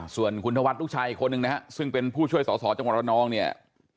ส่วนคุณธวัฒน์ลูกชายอีกคนนึงนะฮะซึ่งเป็นผู้ช่วยสอสอจังหวัดระนองเนี่ย